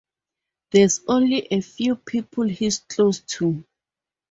There's only a few people he's close to.